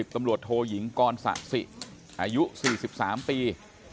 ๑๐ตำรวจโทหญิงกรรศสิอายุ๔๓ปี